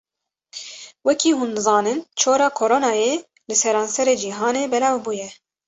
Wekî hûn zanin çora Koronayê li serenserê cihanê belav bûye.